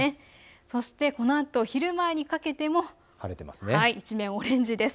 そしてこのあと昼前にかけても一面オレンジです。